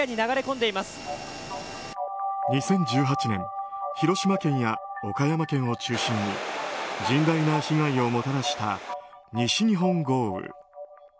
２０１８年広島県や岡山県を中心に甚大な被害をもたらした西日本豪雨。